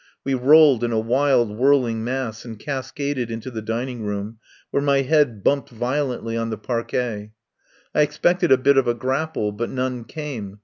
We rolled in a wild, whirling mass and cascaded into the dining room, where my head bumped violently on the parquet. I expected a bit of a grapple, but none came.